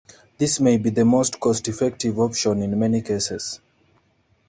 This may be the most cost-effective option in many cases.